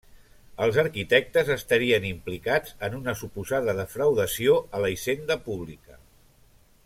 Els arquitectes estarien implicats en una suposada defraudació a la Hisenda Pública.